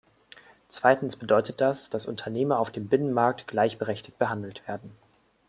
Zweitens bedeutet das, dass Unternehmer auf dem Binnenmarkt gleichberechtigt behandelt werden.